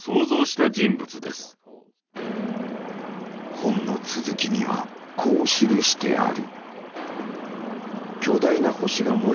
本の続きにはこう記してある。